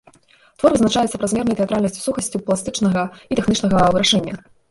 Твор вызначаецца празмернай тэатральнасцю, сухасцю пластычнага і тэхнічнага вырашэння.